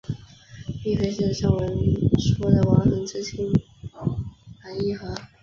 并非是上文说的王桓之子王尹和。